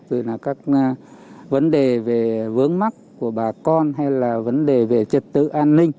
về các vấn đề về vướng mắt của bà con hay là vấn đề về trật tự an ninh